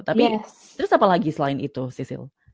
tapi terus apa lagi selain itu sisil